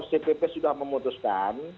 cpp sudah memutuskan